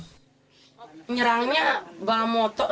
penyerangannya bahan motor